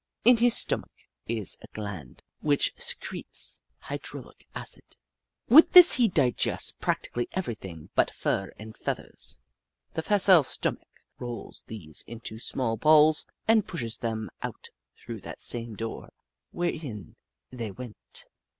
In his stomach is a gland which secretes hydrochloric acid. With this he digests practically everything but fur and feathers. The facile stomach rolls these into small balls and pushes them 202 The Book of Clever Beasts out through that same door where in they went.